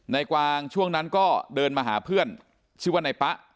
กวางช่วงนั้นก็เดินมาหาเพื่อนชื่อว่านายป๊ะ